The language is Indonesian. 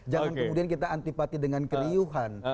jangan kemudian kita antipati dengan keriuhan